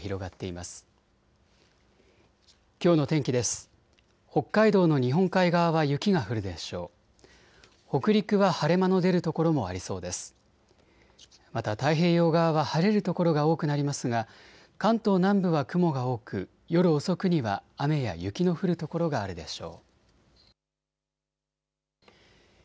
また太平洋側は晴れる所が多くなりますが関東南部は雲が多く夜遅くには雨や雪の降る所があるでしょう。